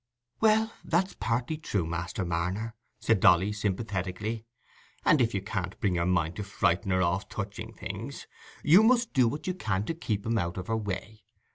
"Well, that's partly true, Master Marner," said Dolly, sympathetically; "and if you can't bring your mind to frighten her off touching things, you must do what you can to keep 'em out of her way.